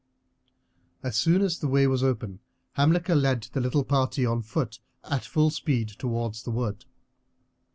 As soon as the way was open Hamilcar led the little party on foot at full speed towards the wood.